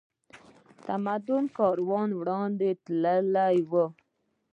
تمدن کاروان وړاندې تللی و